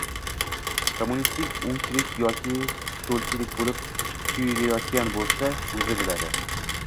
kommunistik, o‘ngchilik yoki so‘lchilik bo‘lib tuyulayotgan bo‘lsa, o‘zi biladi –